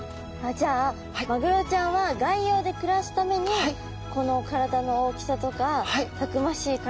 じゃあマグロちゃんは外洋で暮らすためにこの体の大きさとかたくましい体になったんですね。